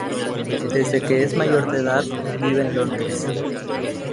Desde que es mayor de edad, vive en Londres.